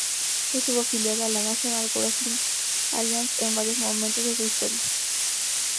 Estuvo afiliada a la National Wrestling Alliance en varios momentos de su historia.